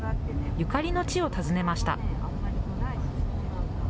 ゆかりの地を訪ねました。